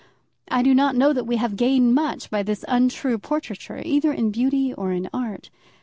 I do not know that we have gained much by this untrue portraiture, either in beauty or in art.